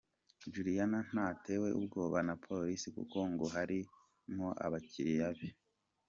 Juliana ntatewe ubwoba na Polisi kuko ngo harimo abakiriya be.